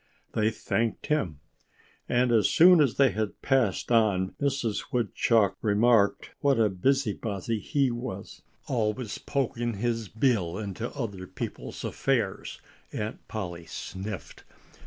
They thanked him. And as soon as they had passed on Mrs. Woodchuck remarked what a busybody he was. "Always poking his bill into other people's affairs!" Aunt Polly sniffed.